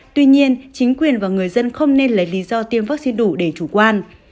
tuy nhiên chính quyền và người dân không nên lấy lý do tiêm vaccine đủ để chủ quan